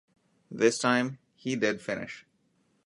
This time, he did finish.